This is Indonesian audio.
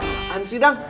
gak ada sih dang